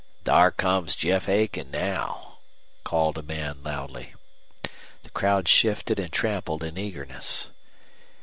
"Thar comes Jeff Aiken now," called a man, loudly. The crowd shifted and trampled in eagerness.